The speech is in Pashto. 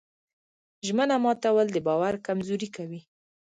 ژمنه ماتول د باور کمزوري کوي.